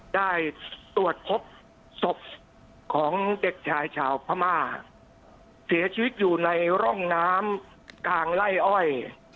ได้ตรวจพบศพของเด็กชายชาวพม่าเสียชีวิตอยู่ในร่องน้ำกลางไล่อ้อย